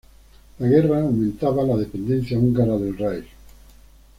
La guerra aumentaba la dependencia húngara del Reich.